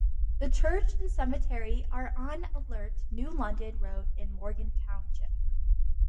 The church and cemetery are on Alert-New London Road in Morgan Township.